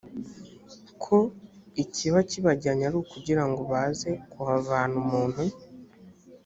ko ikiba kibajyanye ari ukugira ngo baze kuhavana umuntu